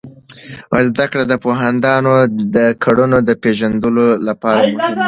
زده کړه د پوهاندانو د کړنو د پیژندلو لپاره مهم دی.